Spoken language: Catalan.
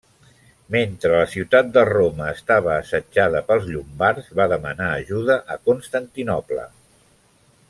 Mentre la ciutat de Roma estava assetjada pels llombards va demanar ajuda a Constantinoble.